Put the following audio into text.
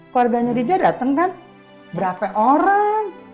keluarganya dija datang kan berapa orang